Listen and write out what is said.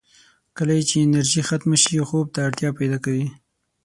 کله یې چې انرژي ختمه شي، خوب ته اړتیا پیدا کوي.